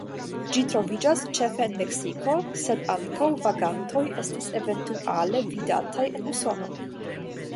Ĝi troviĝas ĉefe en Meksiko, sed ankaŭ vagantoj estas eventuale vidataj en Usono.